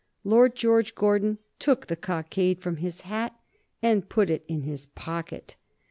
Lord George Gordon took the cockade from his hat and put it in his pocket.